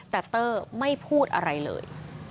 แต่เตอร์ไม่พูดอะไรเลย